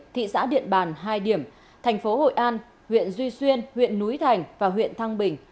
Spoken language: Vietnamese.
thị xã điện bàn hai điểm thành phố hội an huyện duy xuyên huyện núi thành và huyện thăng bình